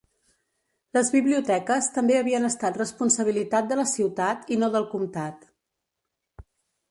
Les biblioteques també havien estat responsabilitat de la ciutat i no del comtat.